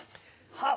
はっ！